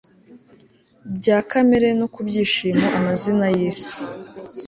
bya kamere, no ku byishimo amazina yisi